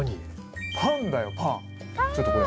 パンだよパン。